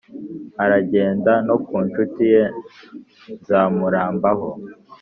aragenda no ku nshuti ye nzamurambaho.